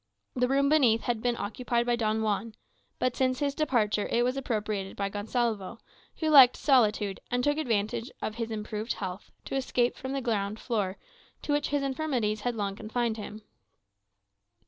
The room beneath had been occupied by Don Juan, but since his departure it was appropriated by Gonsalvo, who liked solitude, and took advantage of his improved health to escape from the ground floor, to which his infirmities had long confined him.